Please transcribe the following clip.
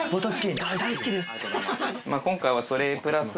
今回はそれプラス